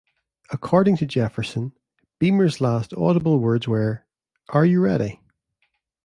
According to Jefferson, Beamer's last audible words were Are you ready?